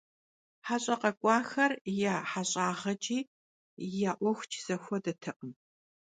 Heş'e khak'uexer ya heş'ağeç'i ya 'uexuç'i zexuedetekhım.